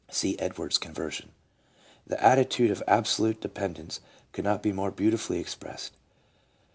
(See Edwards' Conversion.) The attitude of absolute dependence could not be more beautifully expressed.